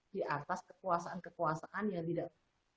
di atas kekuasaan kekuasaan yang tidak